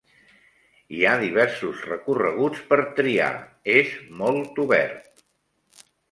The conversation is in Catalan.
Hi ha diversos recorreguts per triar, és molt obert.